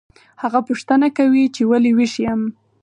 هغه پوښتنه کوي چې ولې ویښ یم